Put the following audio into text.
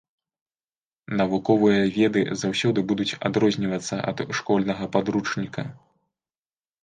Навуковыя веды заўсёды будуць адрознівацца ад школьнага падручніка.